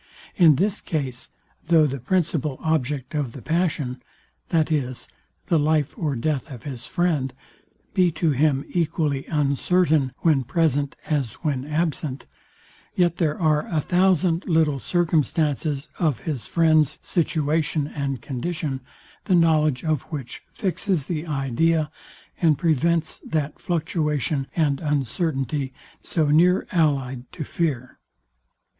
In this case, though the principal object of the passion, viz, the life or death of his friend, be to him equally uncertain when present as when absent; yet there are a thousand little circumstances of his friend's situation and condition, the knowledge of which fixes the idea, and prevents that fluctuation and uncertainty so near allyed to fear.